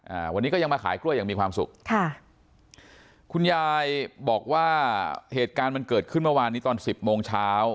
อ่าวันนี้ก็ยังมาขายกล้วยอย่างมีความสุขค่ะคุณยายบอกว่าเหตุการณ์มันเกิดขึ้นเมื่อวานนี้ตอนสิบโมงเช้า